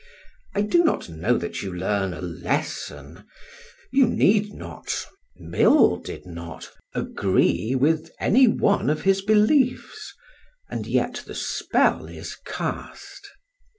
I do not know that you learn a lesson; you need not Mill did not agree with any one of his beliefs; and yet the spell is cast.